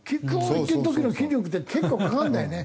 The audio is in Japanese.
いってる時の筋力って結構かかるんだよね。